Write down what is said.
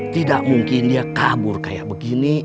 tidak mungkin dia kabur kayak begini